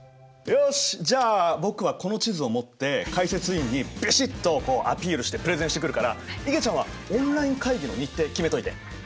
よしじゃあ僕はこの地図を持って解説委員にビシッとアピールしてプレゼンしてくるからいげちゃんはオンライン会議の日程決めといて。